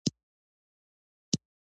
جمله اورېدونکي ته پیغام رسوي.